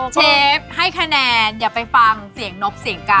เชฟให้คะแนนอย่าไปฟังเสียงนบเสียงกัน